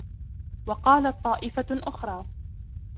وَقَالَتْ طَائِفَةٌ أُخْرَى